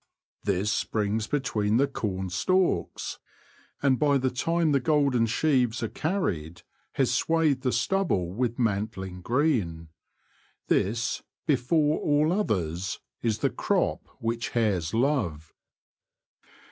This springs between the corn stalks, and by the time the golden sheaves are carried, has swathed the stubble with mantling green. This, before all others, is the crop which hares love.